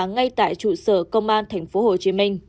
ngay tại trụ sở công an tp hcm